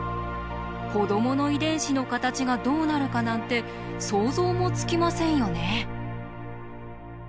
子どもの遺伝子の形がどうなるかなんて想像もつきませんよね。